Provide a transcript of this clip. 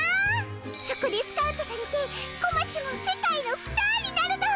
そこでスカウトされてこまちも世界のスターになるの。